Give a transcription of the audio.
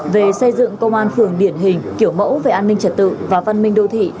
về xây dựng công an phường điển hình kiểu mẫu về an ninh trật tự và văn minh đô thị